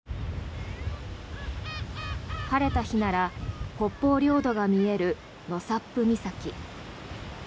晴れた日なら北方領土が見える納沙布岬。